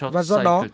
và do đó